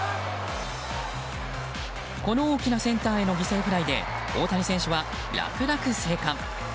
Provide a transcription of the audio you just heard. この大きなセンターへの犠牲フライで大谷選手は楽々、生還。